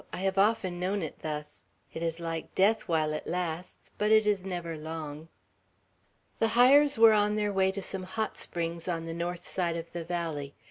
"I have often known it thus. It is like death while it lasts; but it is never long." The Hyers were on their way to some hot springs on the north side of the valley.